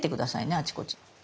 あちこち。